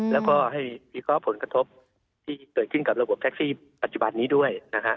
แล้วให้มีคอผลกระทบที่เกิดขึ้นกับระบุไพรส์ปัจจุบันนี้ด้วย